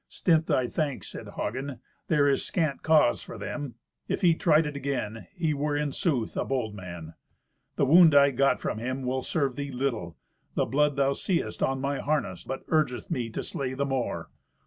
"Stint thy thanks," said Hagen. "There is scant cause for them. If he tried it again, he were in sooth a bold man. The wound I got from him will serve thee little. The blood thou seest on my harness but urgeth me to slay the more.